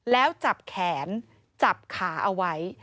แล้วจับแขนจับขาเอาไว้